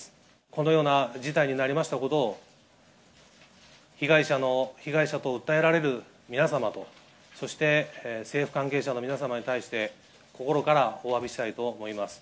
このような事態になりましたことを、被害者の、被害者と訴えられる皆様と、そして政府関係者の皆様に対して、心からおわびしたいと思います。